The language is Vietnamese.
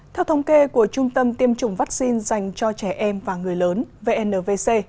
theo thống kê của trung tâm tiêm chủng vắc xin dành cho trẻ em và người lớn vnvc